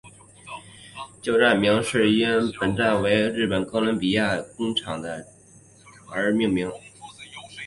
旧站名是因本站为日本哥伦比亚川崎工厂的最近车站而命名。